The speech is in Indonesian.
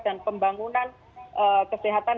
dan pembangunan kesehatan